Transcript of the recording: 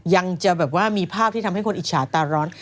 ยังจะแบบว่ามีภาพที่ทำให้คนอิจฉาตาร้อน